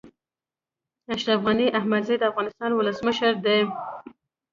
اشرف غني احمدزی د افغانستان ولسمشر دی